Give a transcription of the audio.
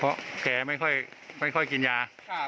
เพราะแกไม่ค่อยกินยา